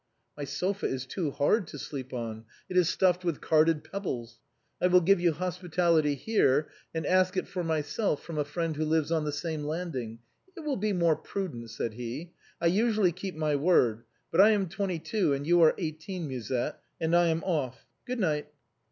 " My sofa is too hard to sleep on, it is stuffed with carded pebbles. I will give you hospitality here, and ask it for myself from a friend who lives on the same landing. It will be more prudent," said he ; "I usually keep my word, but I am twenty two and you are eighteen. Musette, — and I am off. Good night."